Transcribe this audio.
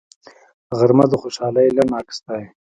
غرمه د خوشحالۍ لنډ عکس دی